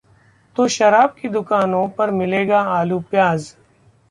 तो शराब की दुकानों पर मिलेगा आलू-प्याज!